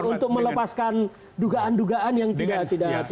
untuk melepaskan dugaan dugaan yang tidak